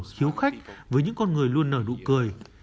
hiếu khách với những con người luôn nở nụ cười